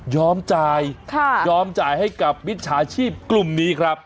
ยอมจ่ายค่ะยอมจ่ายให้กับวิชาชีพกลุ่มนี้ครับ